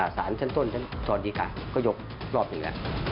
สารชั้นต้นชั้นสวัสดีค่ะก็ยกรอบหนึ่งแล้ว